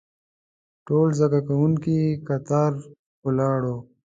ټول زده کوونکي کتار ولاړ وو.